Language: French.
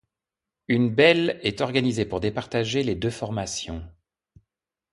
Une belle est organisée pour départager les deux formations.